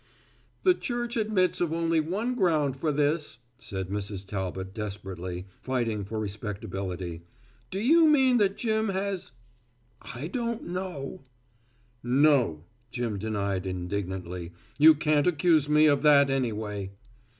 "The church admits of only one ground for this," said Mrs. Talbot desperately, fighting for respectability; "do you mean that Jim has " "I don't know " "No," Jim denied indignantly, "you can't accuse me of that anyway."